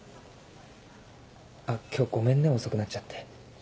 今日ごめんね遅くなっちゃって。